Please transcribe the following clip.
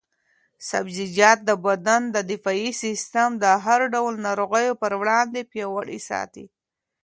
سبزیجات د بدن دفاعي سیسټم د هر ډول ناروغیو پر وړاندې پیاوړی ساتي.